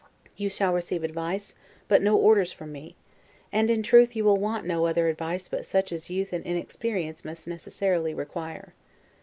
You shall receive advice, but no orders, from me; and in truth you will want no other advice but such as youth and inexperience must necessarily require.